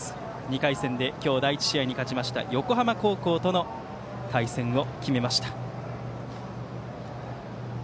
２回戦で今日、第１試合に勝った横浜高校との対戦を決めました。